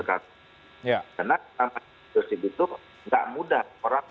karena leadership itu tidak mudah